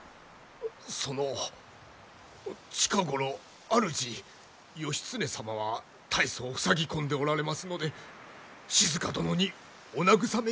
その近頃あるじ義経様は大層ふさぎ込んでおられますので静殿にお慰めいただきたいと。